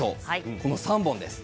この３本です。